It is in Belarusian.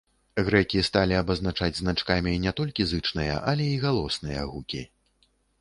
Грэкі сталі абазначаць значкамі не толькі зычныя, але і галосныя гукі.